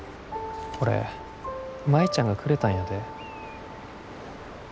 これ舞ちゃんがくれたんやで。